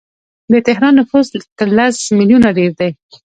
د تهران نفوس تر لس میلیونه ډیر دی.